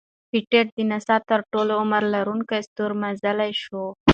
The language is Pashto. پېټټ د ناسا تر ټولو عمر لرونکی ستور مزلی شو.